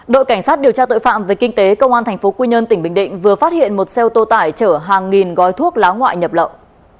đội cảnh sát điều tra tội phạm về kinh tế công an tp quy nhơn tỉnh bình định vừa phát hiện một xe ô tô tải chở hàng nghìn gói thuốc lá ngoại nhập lậu